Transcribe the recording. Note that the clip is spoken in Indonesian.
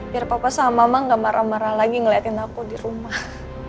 biar papa sama mama gak marah marah lagi ngeliatin aku di rumah